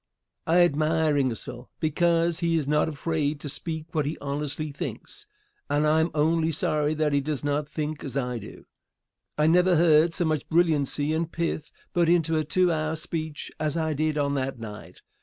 I admire Ingersoll because he is not afraid to speak what he honestly thinks, and I am only sorry that he does not think as I do. I never heard so much brilliancy and pith put into a two hour speech as I did on that night.